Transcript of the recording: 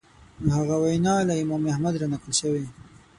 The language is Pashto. نو هغه وینا له امام احمد رانقل شوې